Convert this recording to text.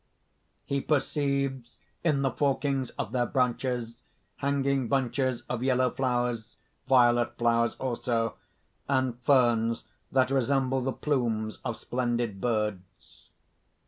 _ _He perceives in the forkings of their branches, hanging bunches of yellow flowers, violet flowers also, and ferns that resemble the plumes of splendid birds.